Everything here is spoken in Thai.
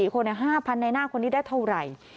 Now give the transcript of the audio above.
๔คน๕๐๐ในหน้าคนนี้ได้เท่าไหร่